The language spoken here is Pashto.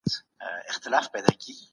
جاري وضيعت د پخوا په څېر پاتې نه دی.